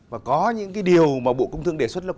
và có những cái điều mà bộ công thương đề xuất lập